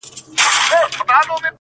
وژني د زمان بادونه ژر شمعي!!..